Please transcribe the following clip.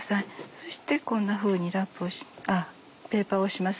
そしてこんなふうにペーパーをします。